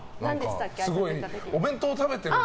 お弁当食べてて。